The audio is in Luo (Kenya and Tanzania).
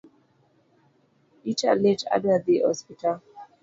Ita lit adwa dhi osiptal